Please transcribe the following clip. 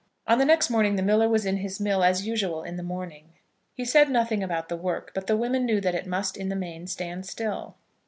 On the next morning the miller was in his mill as usual in the morning. He said nothing about the work, but the women knew that it must in the main stand still.